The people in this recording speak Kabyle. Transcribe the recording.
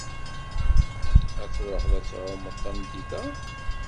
Ad truḥeḍ ad tɛummeḍ tameddit-a?